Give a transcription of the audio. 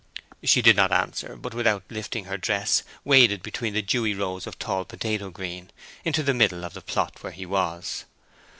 She did not answer, but, without lifting her dress, waded between the dewy rows of tall potato green into the middle of the plot where he was.